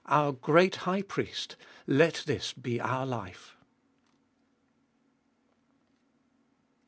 our great High Priest, let this be our life